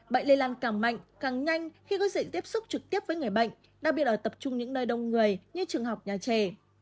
bệnh lây lan càng mạnh càng nhanh khi có diện tiếp xúc trực tiếp với người bệnh đặc biệt ở tập trung những nơi đông người như trường học nhà trẻ